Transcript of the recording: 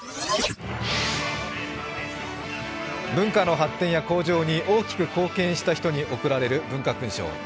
文化の発展や向上に大きく貢献した人に贈られる文化勲章。